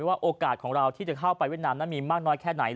ว่าโอกาสของเราที่จะเข้าไปเวียดนามนั้นมีมากน้อยแค่ไหน